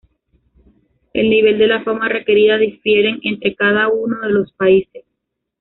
El nivel de la fama requerida difieren entre cada uno de los países.